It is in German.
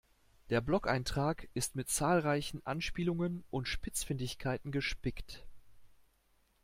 Der Blogeintrag ist mit zahlreichen Anspielungen und Spitzfindigkeiten gespickt.